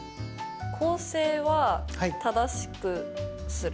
校正は正しくする。